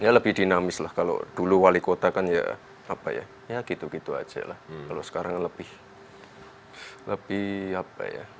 ya lebih dinamis lah kalau dulu wali kota kan ya apa ya ya gitu gitu aja lah kalau sekarang lebih lebih apa ya